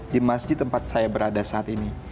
di masjid tempat saya berada saat ini